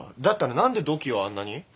だったら何で土器をあんなに？